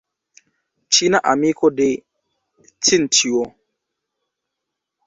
Ĉina amiko de Tinĉjo.